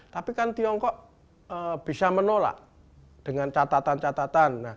tapi kan tiongkok bisa menolak dengan catatan catatan